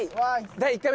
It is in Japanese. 「第１回目」